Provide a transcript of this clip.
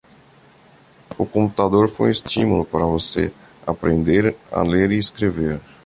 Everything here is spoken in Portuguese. O computador foi um estímulo para você aprender a ler e escrever.